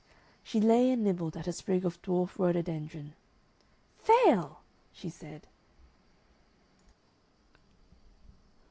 She lay and nibbled at a sprig of dwarf rhododendron. "FAIL!" she said.